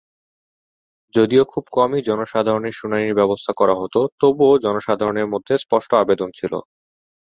যদিও খুব কমই জনসাধারণের শুনানির ব্যবস্থা করা হতো, তবুও জনসাধারণের মধ্যে স্পষ্ট আবেদন ছিল।